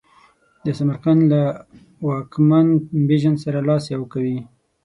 د سمرقند له واکمن بیژن سره لاس یو کوي.